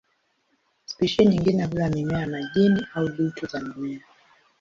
Spishi nyingine hula mimea ya majini au dutu za mimea.